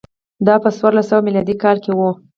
دا په څوارلس میلادي کال کې و